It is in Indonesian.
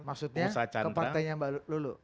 maksudnya ke partainya mbak lulu